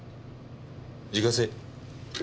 自家製。